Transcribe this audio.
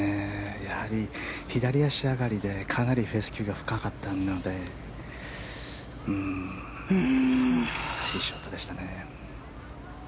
やはり左足上がりでかなりフェスキューが深かったので難しいショットでしたね。